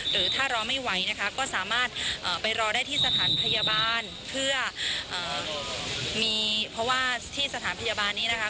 หรือถ้ารอไม่ไหวนะคะก็สามารถไปรอได้ที่สถานพยาบาลเพื่อมีเพราะว่าที่สถานพยาบาลนี้นะคะ